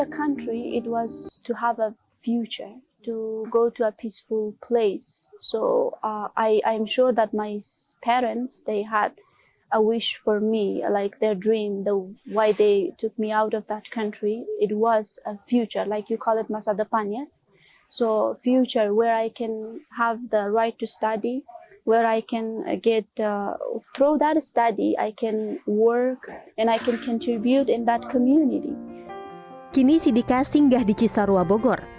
kini siddika singgah di cisarua bogor